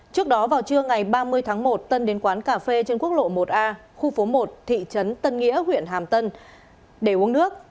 trước đó vào trưa ngày ba mươi tháng một tân đến quán cà phê trên quốc lộ một a khu phố một thị trấn tân nghĩa huyện hàm tân để uống nước